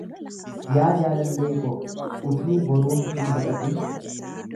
Yaa jaalallee ko! Utuu boruun hin baqaqin,